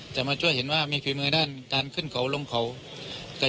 มาช่วยเห็นว่ามีฝีมือด้านการขึ้นเขาลงเขา